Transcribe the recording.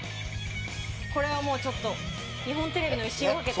これはもう日本テレビの威信をかけて。